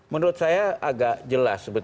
menurut saya agak jelas